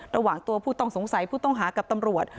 ระหว่างตัวผู้ต้องสงสัยผู้ต้องหากับตำรวจ